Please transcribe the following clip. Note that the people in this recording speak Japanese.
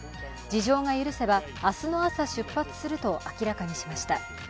事情が許せば明日の朝出発すると明らかにしました。